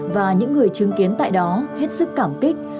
và những người chứng kiến tại đó hết sức cảm kích